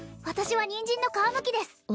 私はにんじんの皮むきです